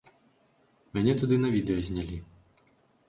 Мяне тады на відэа знялі.